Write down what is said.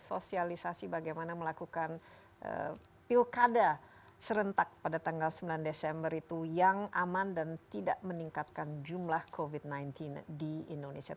sosialisasi bagaimana melakukan pilkada serentak pada tanggal sembilan desember itu yang aman dan tidak meningkatkan jumlah covid sembilan belas di indonesia